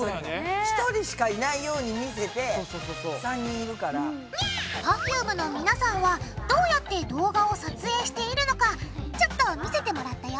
しかもなんかＰｅｒｆｕｍｅの皆さんはどうやって動画を撮影しているのかちょっと見せてもらったよ